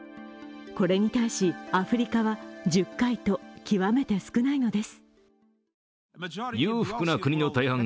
これに対しアフリカは１０回と極めて少ないのです。